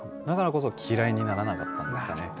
だからこそ嫌いにならなかったんですかね。